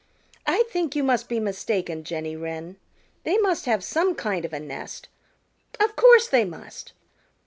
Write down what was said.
"I think you must be mistaken, Jenny Wren. They must have some kind of a nest. Of course they must."